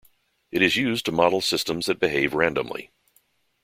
It is used to model systems that behave randomly.